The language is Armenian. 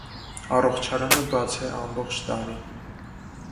Առողջարանը բաց է ամբողջ տարին։